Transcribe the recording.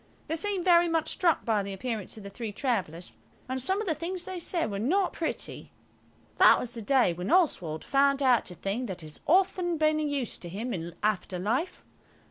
They seemed very much struck by the appearance of the three travellers, and some of the things they said were not pretty. That was the day when Oswald found out a thing that has often been of use to him in after life.